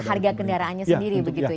harga kendaraannya sendiri begitu ya